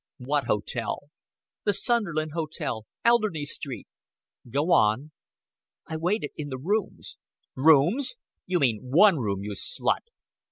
"What hotel?" "The Sunderland Hotel Alderney Street." "Go on." "I waited in the rooms." "Rooms! You mean one room, you slut!"